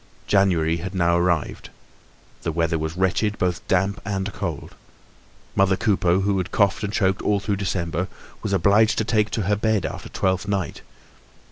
January had now arrived; the weather was wretched, both damp and cold. Mother Coupeau, who had coughed and choked all through December, was obliged to take to her bed after Twelfth night.